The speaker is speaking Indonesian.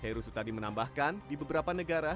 heru sutadi menambahkan di beberapa negara